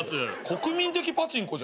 国民的パチンコじゃん。